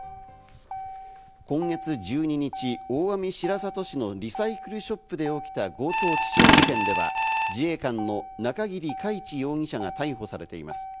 今月１２日、大網白里市のリサイクルショップで起きた強盗致傷事件では自衛官の中桐海知容疑者が逮捕されています。